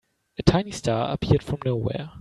A tiny star appeared from nowhere.